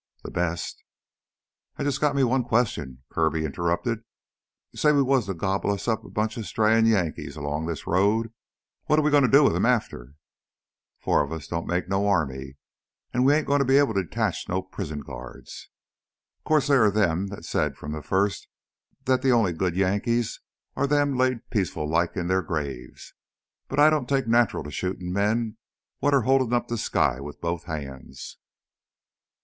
"The best." "I jus' got me one question," Kirby interrupted. "Say we was to gobble us up a bunch of strayin' Yankees along this road, what're we gonna do with 'em after? Four of us don't make no army, an' we ain't gonna be able to detach no prisoner guard. 'Course theah are them what's said from the first that the only good Yankees are them laid peacefullike in their graves. But I don't take natural to shootin' men what are holdin' up the sky with both hands."